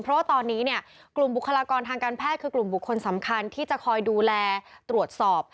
เพราะว่าตอนนี้เนี่ยกลุ่มบุคลากรทางการแพทย์คือกลุ่มบุคคลสำคัญที่จะคอยดูแลตรวจสอบ